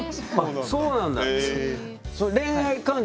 そうなんだ。